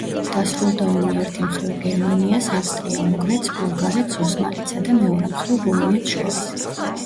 დასრულდა ომი ერთი მხრივ გერმანიას, ავსტრია-უნგრეთს, ბულგარეთს, ოსმალეთსა და, მეორე მხრივ რუმინეთს შორის.